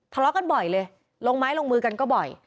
ทะเลาะกันบ่อยเลยลงไม้ลงมือกันก็บ่อย